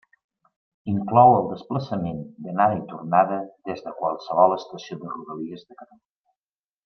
Inclou el desplaçament d'anada i tornada des de qualsevol estació de Rodalies de Catalunya.